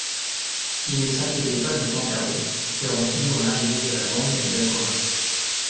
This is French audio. Ils ne s'inquiétaient pas du temps perdu, espérant toujours l'arrivée de la bande de Dacoma.